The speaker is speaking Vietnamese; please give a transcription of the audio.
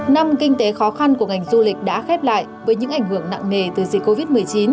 năm kinh tế khó khăn của ngành du lịch đã khép lại với những ảnh hưởng nặng nề từ dịch covid một mươi chín